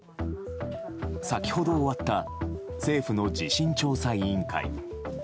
先ほど終わった政府の地震調査委員会。